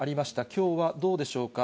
きょうはどうでしょうか。